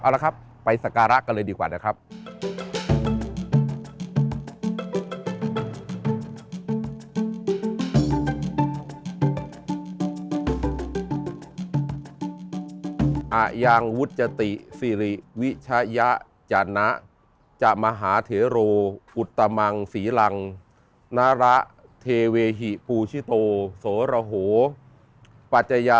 เอาละครับไปสการะกันเลยดีกว่านะครับ